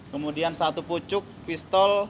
kemudian satu pucuk pistol